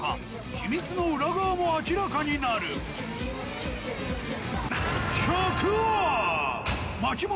秘密の裏側も明らかになる巻物